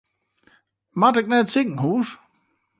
Moat ik nei it sikehús?